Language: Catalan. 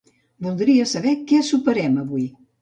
Voldria saber què soparem avui.